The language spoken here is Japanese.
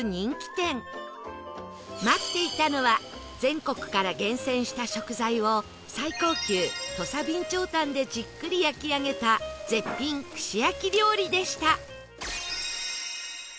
待っていたのは全国から厳選した食材を最高級土佐備長炭でじっくり焼き上げた絶品串焼き料理でした